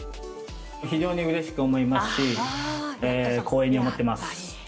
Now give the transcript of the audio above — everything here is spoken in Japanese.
非常にうれしく思いますし、光栄に思ってます。